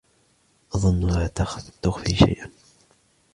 أظنّها تخفي شيئًا.